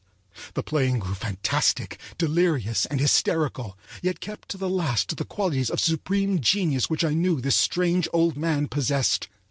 The playing grew fantastic, dehnous, and hysterical, yet kept to the last the qualities of supreme genius which I knew this strange old man possessed.